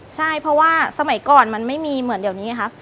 ใช่เพราะว่าสมัยก่อนมันไม่มีเหมือนเดี๋ยวนี้ไงครับ